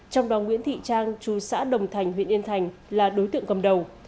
trong đó nguyễn thị trang chú xã đồng thành huyện yên thành là đối tượng cầm đầu